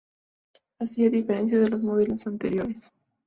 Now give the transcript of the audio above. Así a diferencia de los modelos anteriores.